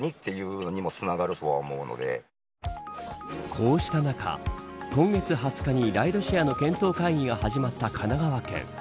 こうした中今月２０日にライドシェアの検討会議が始まった神奈川県。